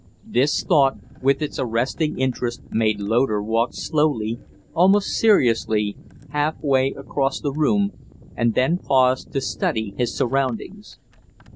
This thought, with its arresting interest, made Loder walk slowly, almost seriously, half way across the room and then pause to study his surroundings.